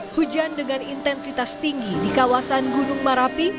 hujan dengan intensitas tinggi di kawasan gunung marapi